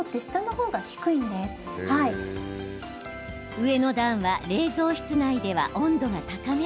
上の段は冷蔵室内では温度が高め。